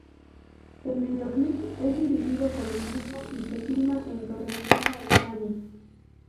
El videoclip es dirigido por el mismo y se filma en Torrevieja, España.